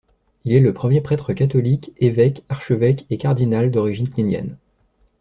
Il est le premier prêtre catholique, évêque, archevêque et cardinal d'origine kényane.